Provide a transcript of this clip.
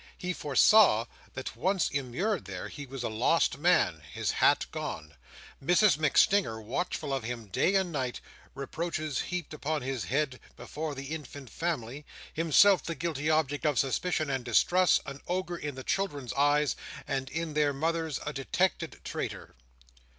He foresaw that, once immured there, he was a lost man: his hat gone; Mrs MacStinger watchful of him day and night; reproaches heaped upon his head, before the infant family; himself the guilty object of suspicion and distrust; an ogre in the children's eyes, and in their mother's a detected traitor.